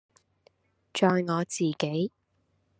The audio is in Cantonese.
在我自己，